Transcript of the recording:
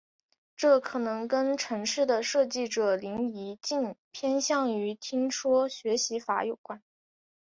这可能跟程式的设计者林宜敬偏向于听说学习法有关。